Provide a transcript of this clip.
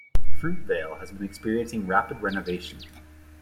Fruitvale has been experiencing rapid renovation.